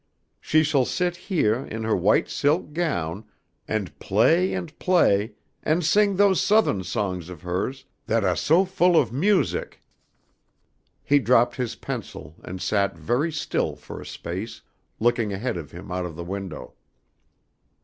She shall sit heah in her white silk gown and play and play and sing those Southern songs of hers that ah so full of music...." He dropped his pencil and sat very still for a space, looking ahead of him out of the window.